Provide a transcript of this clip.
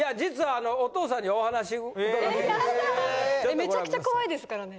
めちゃくちゃ怖いですからね。